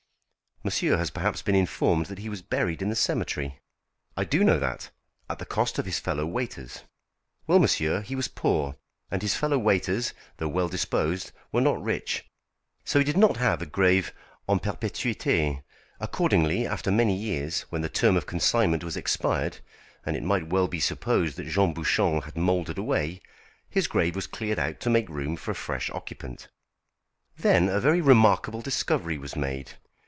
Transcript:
"Monsieur has perhaps been informed that he was buried in the cemetery?" "I do know that, at the cost of his fellow waiters." "Well, monsieur, he was poor, and his fellow waiters, though well disposed, were not rich. So he did not have a grave en perpétuité. Accordingly, after many years, when the term of consignment was expired, and it might well be supposed that Jean Bouchon had mouldered away, his grave was cleared out to make room for a fresh occupant. Then a very remarkable discovery was made.